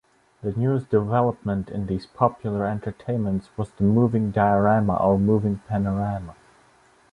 The newest development in these popular entertainments was the "moving diorama" or "moving panorama.